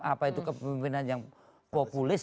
apa itu kepemimpinan yang populis